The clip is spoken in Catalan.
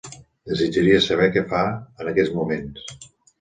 Desitjaria saber què fa en aquests moments.